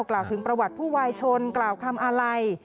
กล่าวถึงประวัติผู้วายชนกล่าวคำอาลัย